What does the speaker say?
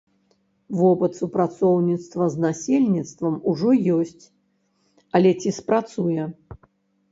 Вопыт супрацоўніцтва з насельніцтвам ужо ёсць, але ці спрацуе?